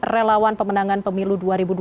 relawan pemenangan pemilu dua ribu dua puluh